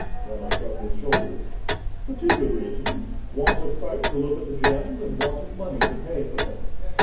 Nello shrugged his shoulders. "For two good reasons—want of sight to look at the gems, and want of money to pay for them.